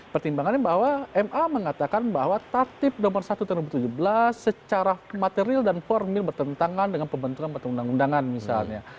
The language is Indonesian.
pertimbangannya bahwa ma mengatakan bahwa tatib nomor satu tahun dua ribu tujuh belas secara material dan formil bertentangan dengan pembentukan pertundang undangan misalnya